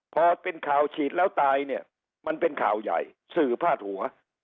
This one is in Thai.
พอเป็นข่าวฉีดแล้วตายเนี่ยมันเป็นข่าวใหญ่สื่อพาดหัว